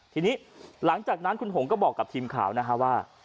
ทีนี้หลังจากนั้นคุณหงก็บอกกับทีมข่าวนะฮะว่า